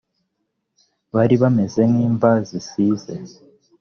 bari bameze nk imva zisize